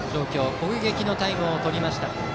攻撃のタイムをとりました。